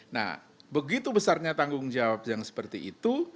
nah begitu besarnya tanggung jawab yang seperti itu